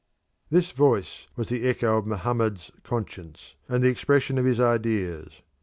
This Voice was the echo of Mohammed's conscience and the expression of his ideas.